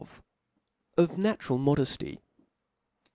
Of natural Modefiy.